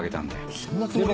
そんなつもりは。